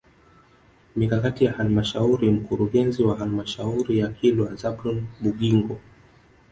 Mikakati ya halmashauri Mkurugenzi wa Halmashauri ya Kilwa Zablon Bugingo